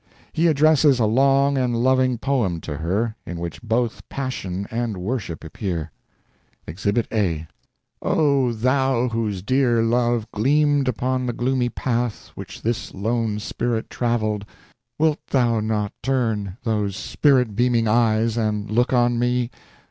He addresses a long and loving poem to her, in which both passion and worship appear: Exhibit A "O thou Whose dear love gleamed upon the gloomy path Which this lone spirit travelled, ................ wilt thou not turn Those spirit beaming eyes and look on me.